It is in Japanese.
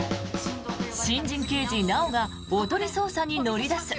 新人刑事・直央がおとり捜査に乗り出す。